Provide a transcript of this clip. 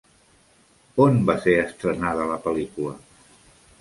On va ser estrenada la pel·lícula?